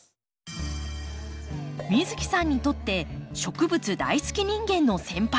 美月さんにとって植物大好き人間の先輩